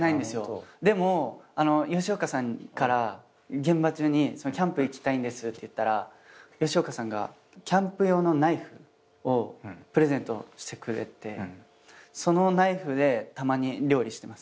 でも吉岡さんから現場中にキャンプ行きたいんですって言ったら吉岡さんがキャンプ用のナイフをプレゼントしてくれてそのナイフでたまに料理してます。